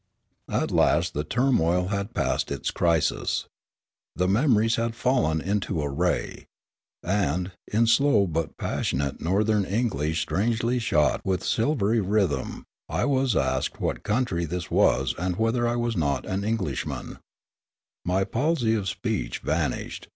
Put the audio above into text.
At last the turmoil had passed its crisis. The mem ories had fallen into arra3^ And, in slow but passionate northern English strangely shot with silvery rhythm, I was asked what country this was and whether I was not an Englishman, My palsy of speech vanished.